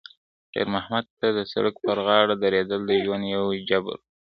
خیر محمد ته د سړک پر غاړه درېدل د ژوند یو جبر و.